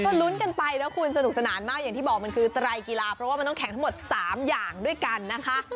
ก็ลุ้นกันไปนะคุณสนุกสนานมากอย่างที่บอกมันคือไตรกีฬาเพราะว่ามันต้องแข่งทั้งหมด๓อย่างด้วยกันนะคะ